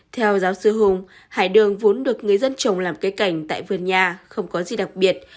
theo giáo sư hùng hải đường vốn được người dân trồng làm cây cảnh tại vườn nhà không có gì đặc biệt